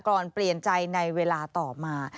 เปลี่ยนใจในเวลาต่อมา